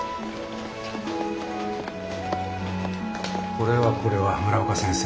これはこれは村岡先生。